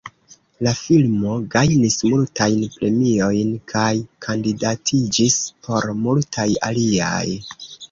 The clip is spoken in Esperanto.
La filmo gajnis multajn premiojn, kaj kandidatiĝis por multaj aliaj.